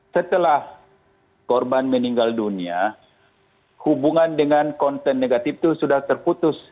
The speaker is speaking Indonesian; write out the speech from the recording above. setelah korban meninggal dunia hubungan dengan konten negatif itu sudah terputus